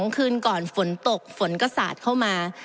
คืนก่อนฝนตกฝนก็สาดเข้ามา